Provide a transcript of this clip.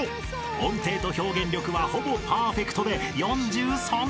音程と表現力はほぼパーフェクトで４３点！］